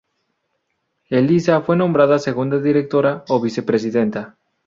Eliza fue nombrada segunda directora o vicepresidenta.